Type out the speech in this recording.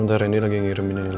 bentar reni lagi ngirim ini link